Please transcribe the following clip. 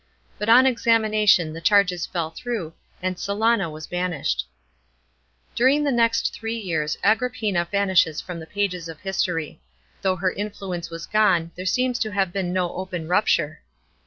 But on examination the charges fell through, and Silana was banished. § 4. During the next three years Agrippina vanishes from the pages of history. Though her influence was gone, there seems to have been no open rupture.